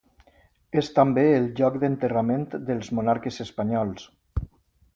És també el lloc d'enterrament dels monarques espanyols.